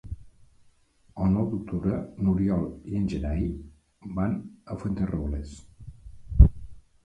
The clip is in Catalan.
El nou d'octubre n'Oriol i en Gerai van a Fuenterrobles.